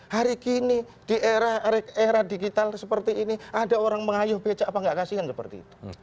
hari gini di era digital seperti ini ada orang mengayuh becak apa nggak kasihan seperti itu